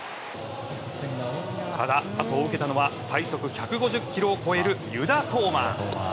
ただ、あとを受けたのは最速１５０キロを超える湯田統真。